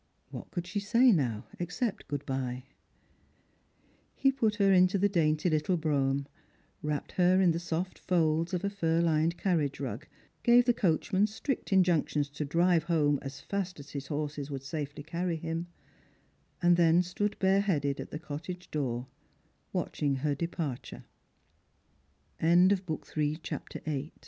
What could she say now, except good bye ? He put her into the dainty little brougham, wrapped her in the soft folds of a fur lined carriage rug, gave the coachman strict injunctions to drive home as fast as his horses would safely carry him, and then stood bare headed at the cottage door watching her